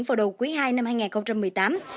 vào đầu quý ii năm hai nghìn một mươi tám